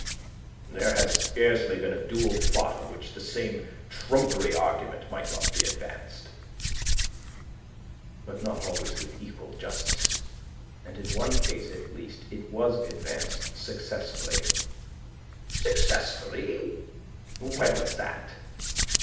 "There has scarcely been a duel fought on which the same trumpery argument might not be advanced." "But not always with equal justice. And in one case, at least, it was advanced successfully." "Successfully? When was that?"